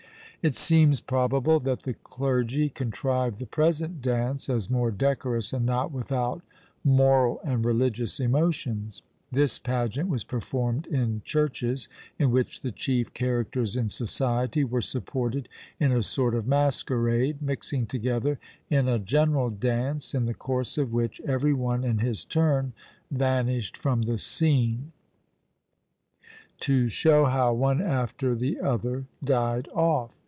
It seems probable that the clergy contrived the present dance, as more decorous and not without moral and religious emotions. This pageant was performed in churches, in which the chief characters in society were supported in a sort of masquerade, mixing together in a general dance, in the course of which every one in his turn vanished from the scene, to show how one after the other died off.